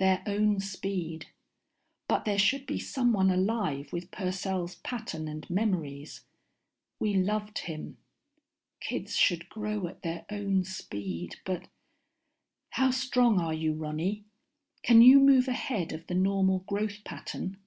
_Their own speed. But there should be someone alive with Purcell's pattern and memories. We loved him. Kids should grow at their own speed, but.... How strong are you, Ronny? Can you move ahead of the normal growth pattern?